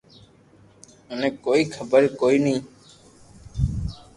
منو ڪوئي خبر ڪوئي ني